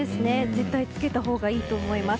絶対つけたほうがいいと思います。